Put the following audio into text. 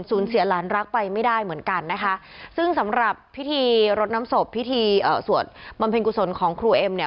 เสียหลานรักไปไม่ได้เหมือนกันนะคะซึ่งสำหรับพิธีรดน้ำศพพิธีเอ่อสวดบำเพ็ญกุศลของครูเอ็มเนี่ย